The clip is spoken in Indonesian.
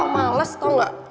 males tau gak